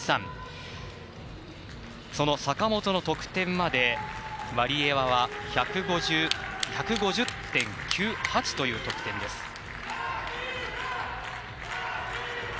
その坂本の得点まで、ワリエワは１５０．９８という得点です。